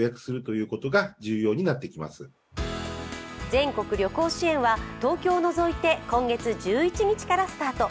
全国旅行支援は東京を除いて今月１１日からスタート。